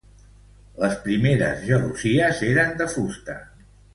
Les primeres gelosies eren de fusta.